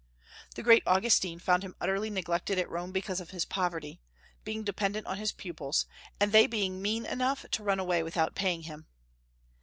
The great Augustine found himself utterly neglected at Rome because of his poverty, being dependent on his pupils, and they being mean enough to run away without paying him.